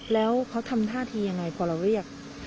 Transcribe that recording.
แล้วเขาทำท่าทียังไงพอเราเรียก